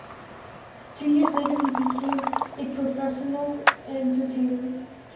Two years later he became a professional entertainer.